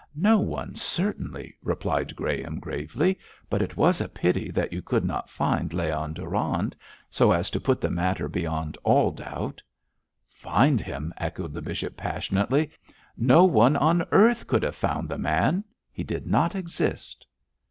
'No one, certainly!' replied Graham, gravely; 'but it was a pity that you could not find Leon Durand, so as to put the matter beyond all doubt.' 'Find him!' echoed the bishop, passionately. 'No one on earth could have found the man. He did not exist.'